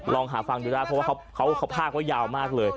ลองหาฟังดูได้เพราะว่าเขาพากไว้ยาวมากเลย